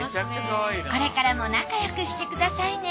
これからも仲よくしてくださいね。